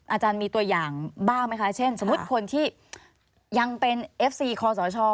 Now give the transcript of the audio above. อาจารย์มีตัวอย่างบ้างไหมคะเช่นสมมุติคนที่ยังเป็นเอฟซีคอสช